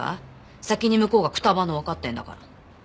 先に向こうがくたばるのわかってんだから。